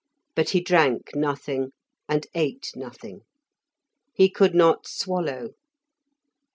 But he drank nothing, and ate nothing; he could not swallow.